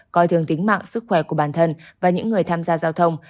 coi thường tính mạng sức khỏe của bản thân và những người tham gia giao thông